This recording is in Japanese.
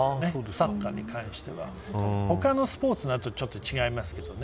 サッカーに関しては他のスポーツだとちょっと違いますけどね。